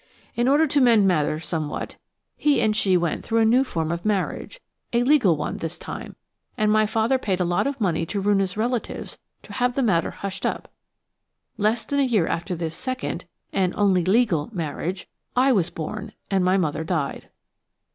In order to mend matters somewhat, he and she went through a new form of marriage–a legal one this time–and my father paid a lot of money to Roonah's relatives to have the matter hushed up. Less than a year after this second–and only legal–marriage, I was born and my mother died."